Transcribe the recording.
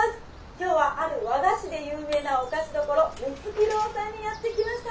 今日はある和菓子で有名なお菓子どころ緑月堂さんにやって来ました。